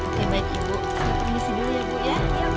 oke baik ibu kami permisi dulu ya bu ya